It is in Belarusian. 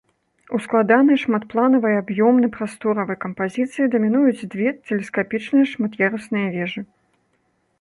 У складанай шматпланавай аб'ёмна-прасторавай кампазіцыі дамінуюць две тэлескапічныя шмат'ярусныя вежы.